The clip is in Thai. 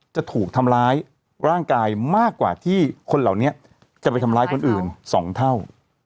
จะถูกทำร้ายร่างกายมากกว่าที่คนเหล่านี้จะไปทำร้ายคนอื่น๒เท่า